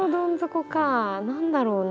何だろうな？